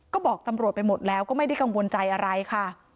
ก็บอกตำรวจไปหมดแล้วก็ไม่ได้กังวลใจอะไรค่ะ